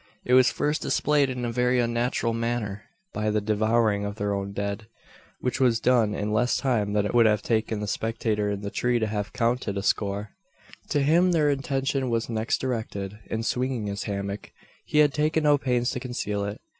It was first displayed in a very unnatural manner by the devouring of their own dead which was done in less time than it would have taken the spectator in the tree to have counted a score. To him their attention was next directed. In swinging his hammock, he had taken no pains to conceal it.